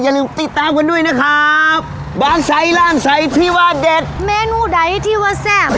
อย่าลืมติดตามกันด้วยนะครับบ้านใสร้านใสที่ว่าเด็ดเมนูใดที่ว่าแซ่บ